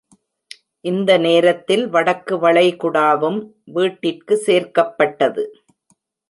இந்த நேரத்தில் வடக்கு வளைகுடாவும் வீட்டிற்கு சேர்க்கப்பட்டது.